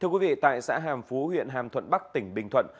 thưa quý vị tại xã hàm phú huyện hàm thuận bắc tỉnh bình thuận